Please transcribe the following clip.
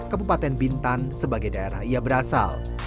kabupaten bintan sebagai daerah ia berasal